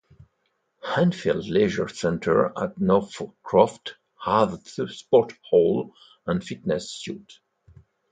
Henfield Leisure Centre at Northcroft has a sports hall and fitness suite.